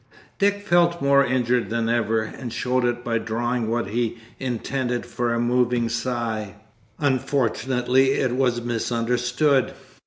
Dick felt more injured than ever, and showed it by drawing what he intended for a moving sigh. Unfortunately it was misunderstood.